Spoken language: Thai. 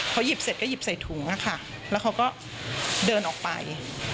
เขาหยิบเสร็จก็หยิบใส่ถุงค่ะแล้วเขาก็เดินออกไป